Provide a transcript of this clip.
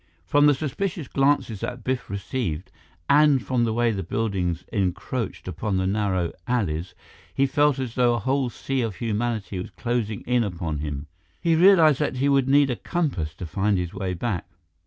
From the suspicious glances that Biff received, and from the way the buildings encroached upon the narrow alleys, he felt as though a whole sea of humanity was closing in upon him. He realized that he would need a compass to find his way back.